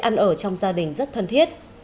ăn ở trong gia đình rất thân thiết